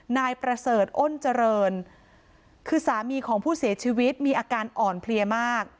นายประเสริฐอ้นเจริญคือสามีของผู้เสียชีวิตมีอาการอ่อนเพลียมาก